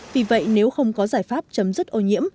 vì vậy nếu không có giải pháp chấm dứt ô nhiễm